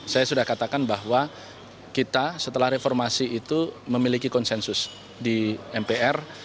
saya sudah katakan bahwa kita setelah reformasi itu memiliki konsensus di mpr